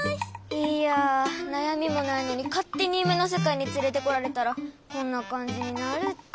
いやなやみもないのにかってにゆめのせかいにつれてこられたらこんなかんじになるって。